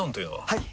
はい！